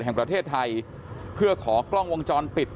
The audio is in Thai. แห่งประเทศไทยเพื่อขอกล้องวงจรปิด